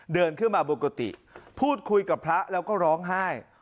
เดินขึ้นมาบนกุฏิพูดคุยกับพระแล้วก็ร้องไห้